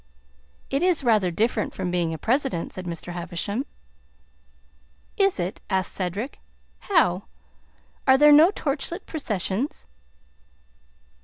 "It is rather different from being a president," said Mr. Havisham. "Is it?" asked Cedric. "How? Are there no torch light processions?"